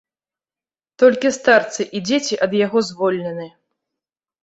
Толькі старцы і дзеці ад яго звольнены.